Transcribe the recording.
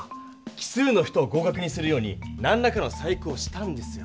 奇数の人を合かくにするようになんらかの細工をしたんですよ。